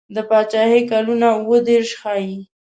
د پاچهي کلونه اووه دېرش ښيي.